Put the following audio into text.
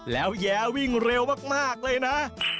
แล้วแย้วิ่งเร็วมากเลยนะ